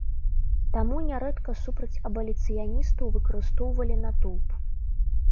Таму нярэдка супраць абаліцыяністаў выкарыстоўвалі натоўп.